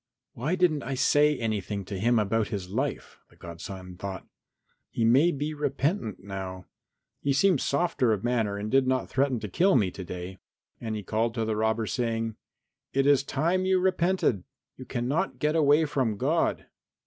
"Why didn't I say anything to him about his life?" the godson thought. "He may be repentant now. He seemed softer of manner and did not threaten to kill me to day." And he called to the robber saying, "It is time you repented. You cannot get away from God."